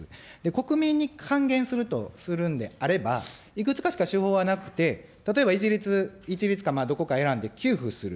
国民に還元するとするんであれば、いくつかしか手法はなくて、例えば、一律、一律か、どこか選んで給付する。